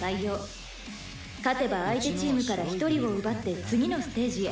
「勝てば相手チームから１人を奪って次のステージへ」